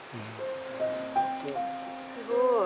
すごい。